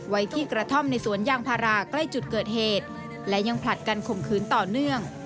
ไว้ที่กระท่อมในสวนยางพาราใกล้จุดเกิดเหตุและยังผลัดกันข่มขืนต่อเนื่อง